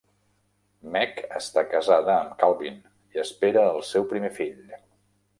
Meg està casada amb Calvin i espera el seu primer fill.